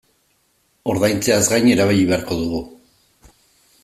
Ordaintzeaz gain erabili beharko dugu.